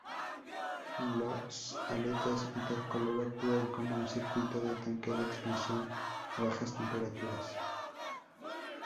Las aletas intercooler actúan como un circuito de tanque de expansión a bajas temperaturas.